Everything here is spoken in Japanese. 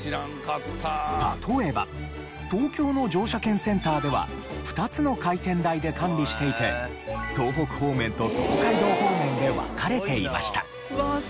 例えば東京の乗車券センターでは２つの回転台で管理していて東北方面と東海道方面で分かれていました。